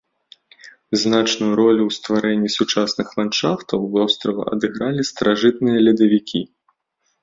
Значную ролю ў стварэнні сучасных ландшафтаў вострава адыгралі старажытныя ледавікі.